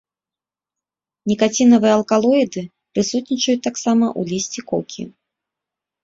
Нікацінавыя алкалоіды прысутнічаюць таксама ў лісці кокі.